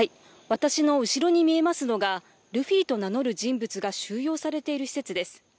私の後ろに見えますのが、ルフィと名乗る人物が収容されている施設です。